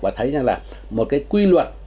và thấy rằng là một cái quy luật